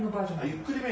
ゆっくりめ。